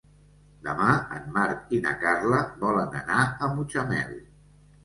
Demà en Marc i na Carla volen anar a Mutxamel.